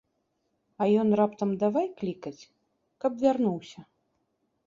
А ён раптам давай клікаць, каб вярнуўся.